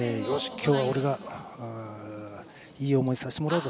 今日は俺がいい思いさせてもらうぞ。